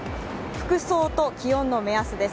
服装と気温の目安です。